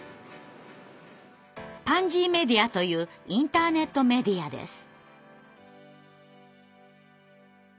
パンジーメディアというインターネットメディアです。